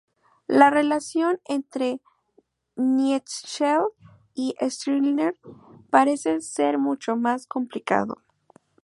La relación entre Nietzsche y Stirner parece ser mucho más complicada.